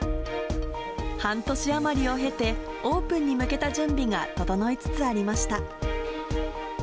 半年余りを経て、オープンに向けた準備が整いつつありました。